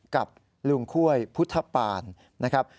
กับลุงค่วยพุทธปานนะครับ